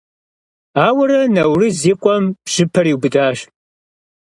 Ауэрэ Наурыз и къуэм бжьыпэр иубыдащ.